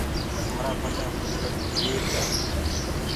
همرآ ڀڏآ بُجرگ بهآدر تآ۔